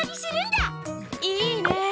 いいねえ！